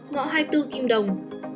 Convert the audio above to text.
ngõ hai mươi bốn kim đồng